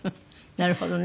なるほどね。